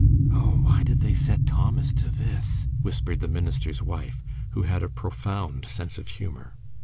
"Oh, why did they set Thomas to this?" whispered the minister's wife, who had a profound sense of humor.